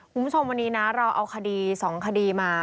คุณผู้ชมวันนี้นะเราเอาคดี๒คดีมา